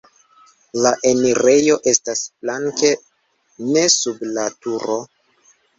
La enirejo estas flanke, ne sub la turo.